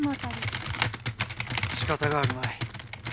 しかたがあるまい。